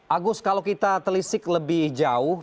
agus kalau kita telisik lebih jauh